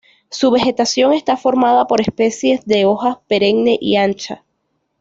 Su vegetación está formada por especies de hoja perenne y ancha.